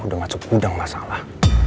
udah masuk gudang masalah